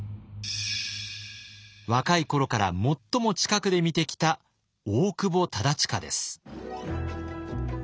若い頃から最も近くで見てきた大久保忠隣です。